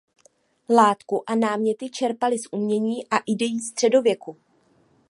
Látku a náměty čerpali z umění a idejí středověku.